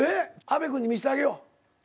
阿部君に見してあげよう。